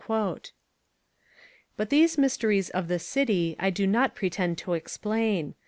But these mysteries of the City I do not pretend to explain.